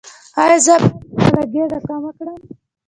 ایا زه باید خپل ګیډه کمه کړم؟